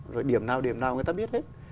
rồi điểm nào điểm nào người ta biết hết